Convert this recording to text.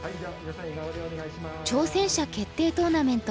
挑戦者決定トーナメント